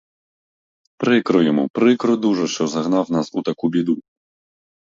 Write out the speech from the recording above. Прикро йому, прикро дуже, що загнав нас у таку біду.